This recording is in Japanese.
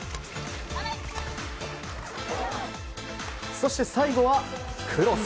そして最後は、クロス。